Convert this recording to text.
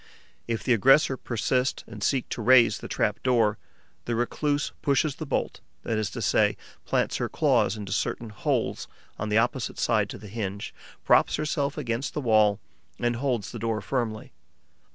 If the aggressor persist and seek to raise the trap door, the recluse pushes the bolt, that is to say, plants her claws into certain holes on the opposite side to the hinge, props herself against the wall and holds the door firmly.